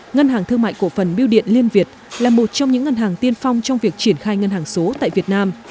ngân hàng thương mại cổ phần biêu điện liên việt là một trong những ngân hàng tiên phong trong việc triển khai ngân hàng số tại việt nam